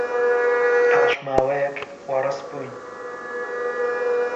پاش ماوەیەک وەڕەس بووین.